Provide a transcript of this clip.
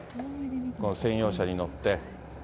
この専用車に乗って。